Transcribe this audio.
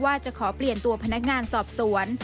ว่าจะขอเปลี่ยนตัวพนักงานสอบสวน